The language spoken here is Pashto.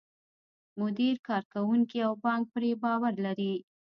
مدیر، کارکوونکي او بانک پرې باور لري.